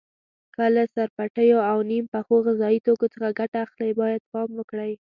که له سرپټو او نیم پخو غذایي توکو څخه ګټه اخلئ باید پام وکړئ.